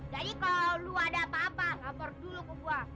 jadi kalau lo ada apa apa lapor dulu ke gue